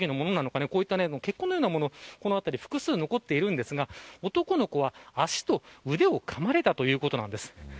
血痕のようなものが、この辺り複数残っているんですが男の子は足と腕をかまれたということです。